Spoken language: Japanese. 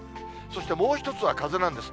そして、もう一つは風なんです。